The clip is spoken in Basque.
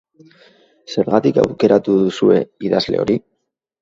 Zergatik aukeratu duzue idazle hori?